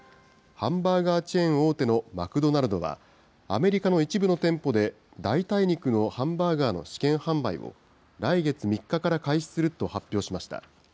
ハンバーガーチェーン大手のマクドナルドは、アメリカの一部の店舗で、代替肉のハンバーガーの試験販売を、来月３日から開始すると発表しました。